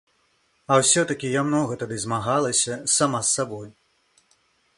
А ўсё-такі я многа тады змагалася сама з сабой.